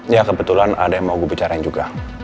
ya kebetulan ada yang mau gue bicarain juga